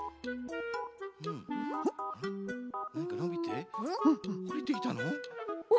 なんかのびておりてきたの？